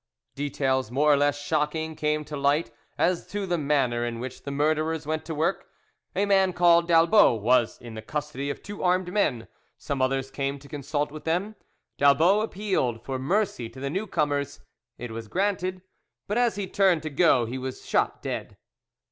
Details more or less shocking came to light as to the manner in which the murderers went to work. A man called Dalbos was in the custody of two armed men; some others came to consult with them. Dalbos appealed for mercy to the new comers. It was granted, but as he turned to go he was shot dead.